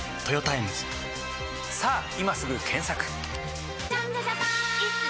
さぁ今すぐ検索！